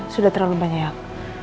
sudah terlalu banyak